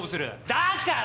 だから！